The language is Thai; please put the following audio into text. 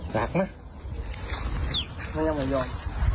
สักนะไม่ยอมไม่ยอม